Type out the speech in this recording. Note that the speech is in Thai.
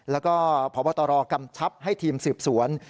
แล้วก็พบตรกำชับให้ทีมสืบสวน